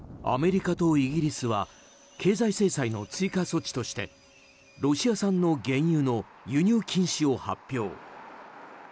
アメリカとイギリスは経済制裁の追加措置としてロシア産の原油の輸入禁止を発表。